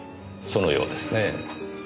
そのようですねえ。